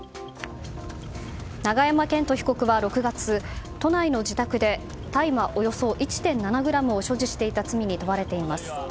永山絢斗被告は６月都内の自宅で大麻およそ１．７ｇを所持していた罪に問われています。